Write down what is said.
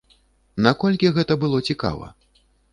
Наколькі гэта было цікава?